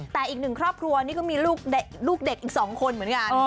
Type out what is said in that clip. แต่อีกหนึ่งครอบครัวนี่ก็มีลูกเด็กอีก๒คนเหมือนกัน